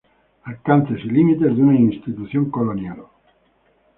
Alcances y límites de una institución colonial.